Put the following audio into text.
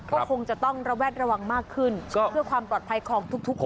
ก็คงจะต้องระแวดระวังมากขึ้นเพื่อความปลอดภัยของทุกคน